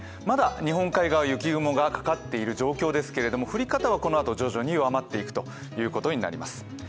まだ日本海側、雪雲がかかっている状況ですけれども、降り方はこのあと徐々に弱まっていくということになります。